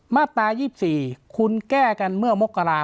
มาตรา๒๔คุณแก้กันเมื่อมกรา